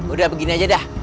udah begini aja dah